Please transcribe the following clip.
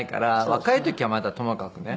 若い時はまだともかくね。